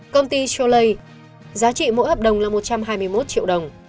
công ty choley giá trị mỗi hợp đồng là một trăm hai mươi một triệu đồng